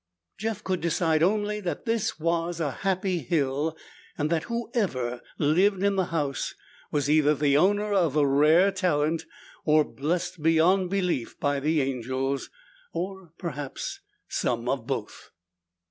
Jeff could decide only that this was a happy hill and that whoever lived in the house was either the owner of a rare talent or blessed beyond belief by the angels. Or perhaps some of both.